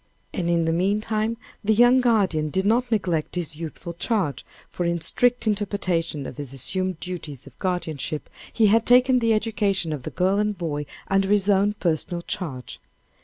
And in the meantime the young guardian did not neglect his youthful charge, but in strict interpretation of his assumed duties of guardianship, he had taken the education of the girl and boy under his own personal charge.